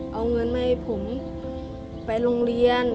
เอาเงินมาให้ผมไปโรงเรียน